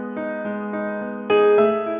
แค่อะไร